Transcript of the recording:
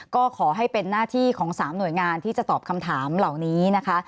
ก็ขอให้เป็นหน้าที่ของ๓หน่วยงานที่จะตอบคำถามเหล่านี้นะคะ